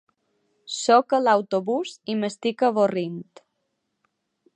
Soc a l'autobús i m'estic avorrint.